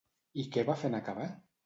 I què va fer en acabar?